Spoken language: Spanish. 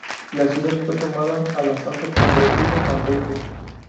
La ciudad fue tomada al asalto por Rodrigo Manrique.